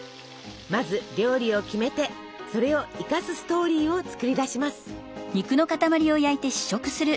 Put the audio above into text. まず料理を決めてそれを生かすストーリーを作り出します。